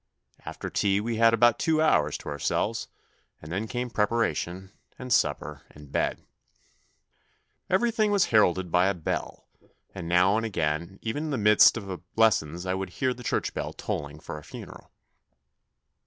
After tea we had about two hours to ourselves and then came preparation, and supper and bed. Everything was heralded by a bell, and now and again even in the midst of lessons I would hear the church bell tolling for a funeral.